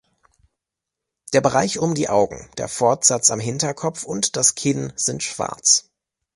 Der Bereich um die Augen, der Fortsatz am Hinterkopf und das Kinn sind schwarz.